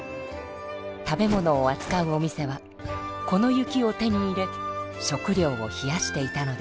食べ物をあつかうお店はこの雪を手に入れ食料を冷やしていたのです。